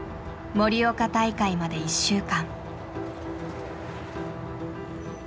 盛岡大会まで１週間。